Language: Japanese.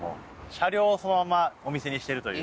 車両をそのままお店にしているという。